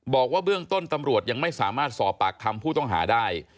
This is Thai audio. บอกว่าเบื้องต้นตำรวจยังไม่สามารถสอบปากคำผู้ต้องหาได้